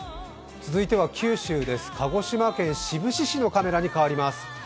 続いては九州です、鹿児島県志布志市のカメラに変わります。